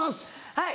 はい。